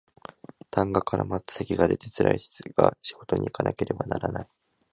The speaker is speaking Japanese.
痰が絡まった咳が出てつらいが仕事にいかなければならない